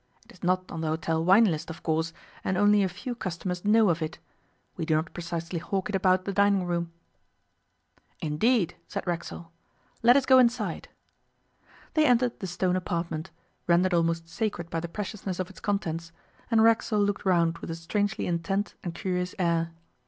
It is not on the hotel wine list, of course, and only a few customers know of it. We do not precisely hawk it about the dining room.' 'Indeed!' said Racksole. 'Let us go inside.' They entered the stone apartment, rendered almost sacred by the preciousness of its contents, and Racksole looked round with a strangely intent and curious air.